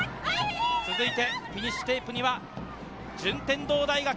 続いてフィニッシュテープには順天堂大学。